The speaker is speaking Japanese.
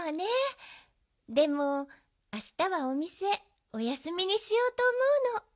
でもあしたはおみせおやすみにしようとおもうの。